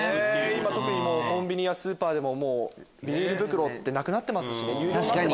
今特にコンビニやスーパーでもビニール袋って有料になってますしね。